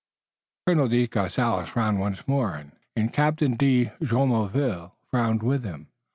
Colonel de Courcelles frowned once more, and Captain de Jumonville frowned with him.